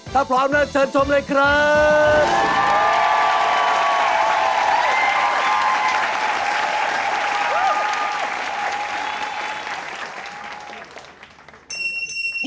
ถ้าพร้อมแล้วเชิญชมเลยครับ